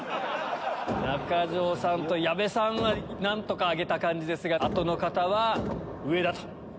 中条さんと矢部さんは何とか挙げた感じですがあとの方は上だと。